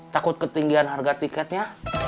takut ketinggian harga tiketnya